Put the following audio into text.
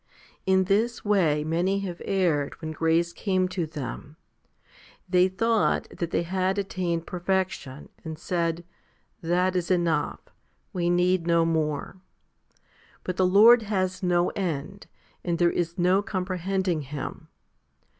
17. In this way many have erred when grace came to them. They thought that they had attained perfection, and said, " That is enough ; we need no more." But the Lord has no end, and there is no comprehending Him.